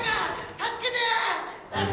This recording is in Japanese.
助けて！